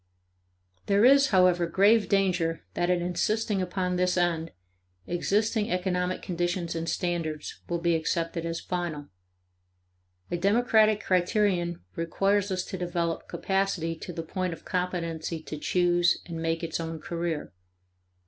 There is, however, grave danger that in insisting upon this end, existing economic conditions and standards will be accepted as final. A democratic criterion requires us to develop capacity to the point of competency to choose and make its own career.